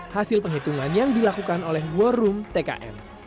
hasil penghitungan yang dilakukan oleh war room tkn